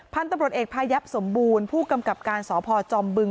พันธ์ตรวจเอกไพรัพยับสมบูรณ์ผู้คำกลับการสอพจอมบึง